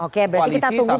oke berarti kita tunggu